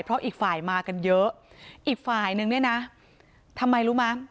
เพราะอีกฝ่ายมากันเยอะอีกฝ่ายนึงเนี่ยนะทำไมรู้มั้ย